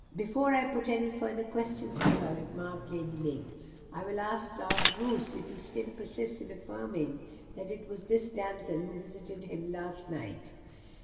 "Before I put any further questions to her," remarked Lady Lake, "I will ask Lord Roos if he still persists in affirming that it was this damsel who visited him last night?"